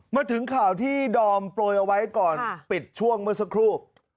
มาถึงข่าวที่ดอมโปรยเอาไว้ก่อนปิดช่วงเมื่อสักครู่